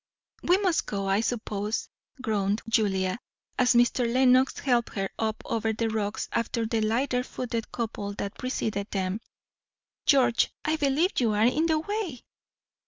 "We must go, I suppose," groaned Julia, as Mr. Lenox helped her up over the rocks after the lighter footed couple that preceded them. "George, I believe you are in the way."